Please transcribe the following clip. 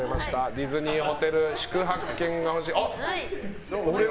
ディズニーホテル宿泊券が欲しい。